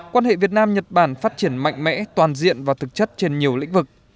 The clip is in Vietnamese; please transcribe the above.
quan hệ việt nam nhật bản phát triển mạnh mẽ toàn diện và thực chất trên nhiều lĩnh vực